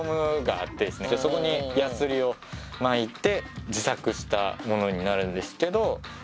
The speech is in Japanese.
そこにやすりを巻いて自作したものになるんですけど。